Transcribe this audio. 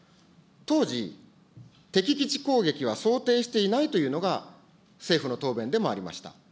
当時、敵基地攻撃は想定していないというのが政府の答弁でもありました。